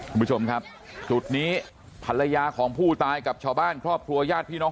คุณผู้ชมครับจุดนี้ภรรยาของผู้ตายกับชาวบ้านครอบครัวญาติพี่น้อง